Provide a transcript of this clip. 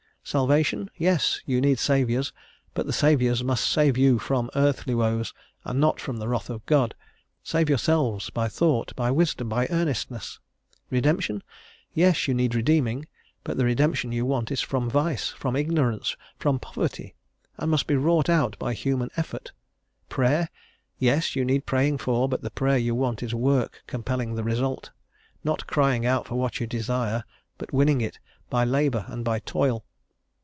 Salvation? Yes, you need saviours, but the saviours must save you from earthly woes and not from the wrath of God; save yourselves, by thought, by wisdom, by earnestness. Redemption? yes, you need redeeming, but the redemption you want is from vice, from ignorance, from poverty, and must be wrought out by human effort. Prayer? yes, you need praying for, but the prayer you want is work compelling the result; not crying out for what you desire, but winning it by labour and by toil.